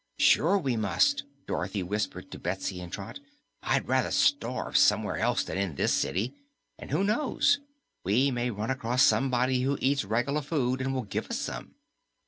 "Sure we must!" Dorothy, and she whispered to Betsy and Trot, "I'd rather starve somewhere else than in this city, and who knows, we may run across somebody who eats reg'lar food and will give us some."